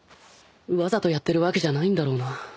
わざとやってるわけじゃないんだろうな